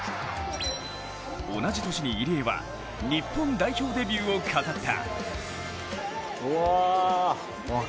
同じ年に入江は日本代表デビューを飾った。